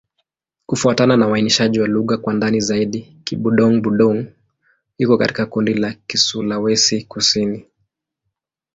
Kufuatana na uainishaji wa lugha kwa ndani zaidi, Kibudong-Budong iko katika kundi la Kisulawesi-Kusini.